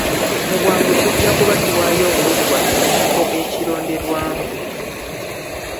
Mu bwangu tujja kuba tuwaayo obululu bwaffe mu kifo ekironderwamu.